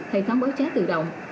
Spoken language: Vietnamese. hệ thống bói trá tự động